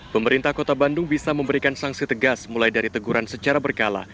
pemerintah kota bandung bisa memberikan sanksi tegas mulai dari teguran secara berkala